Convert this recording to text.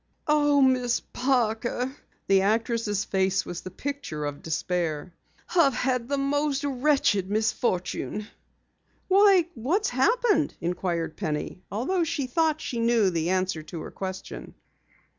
"Oh, Miss Parker!" The actress' face was the picture of despair. "I've had the most wretched misfortune!" "Why, what has happened?" inquired Penny, although she thought she knew the answer to her question.